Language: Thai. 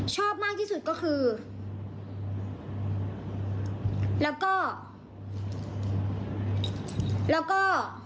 ชอบมากที่สุดก็คือแล้วก็แล้วก็